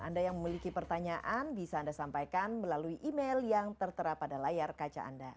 anda yang memiliki pertanyaan bisa anda sampaikan melalui email yang tertera pada layar kaca anda